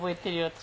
私。